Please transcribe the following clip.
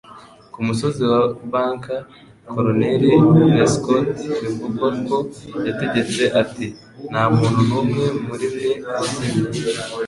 Ku musozi wa Bunker, Coloneli Prescott bivugwa ko yategetse ati: "Ntamuntu numwe muri mwe uzimya